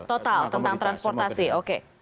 total tentang transportasi oke